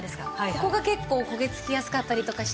ここが結構焦げつきやすかったりとかして。